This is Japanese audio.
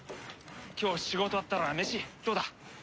今日仕事終わったら飯どうだ？